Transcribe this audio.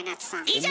以上！